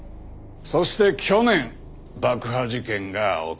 そして去年爆破事件が起きた。